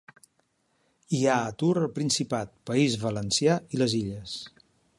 Hi ha atur al Principat, País Valencià i les Illes